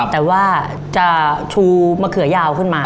แต่ว่าจะชูมะเขือยาวขึ้นมา